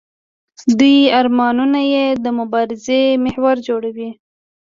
دوی ارمانونه یې د مبارزې محور جوړوي.